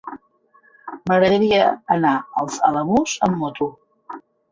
M'agradaria anar als Alamús amb moto.